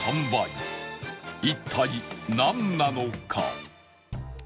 一体なんなのか？